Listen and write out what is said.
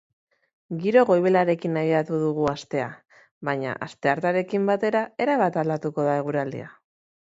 Giro goibelarekin abiatu dugu astea, baina asteartearekin batera erabat aldatuko da eguraldia.